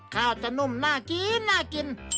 ข้าวจะนุ่มน่ากินน่ากิน